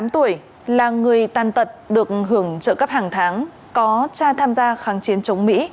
tám tuổi là người tàn tật được hưởng trợ cấp hàng tháng có cha tham gia kháng chiến chống mỹ